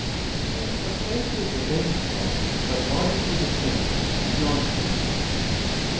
BEING SUBSTANTIALLY IDENTICAL, BUT LOGICALLY DISTINCT IS NONSENSE.